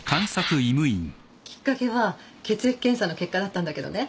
きっかけは血液検査の結果だったんだけどね。